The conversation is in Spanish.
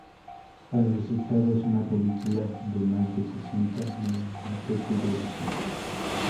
El resultado es una película de más de sesenta minutos de duración.